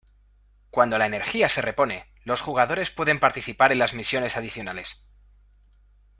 Cuando la energía se repone, los jugadores pueden participar en las misiones adicionales.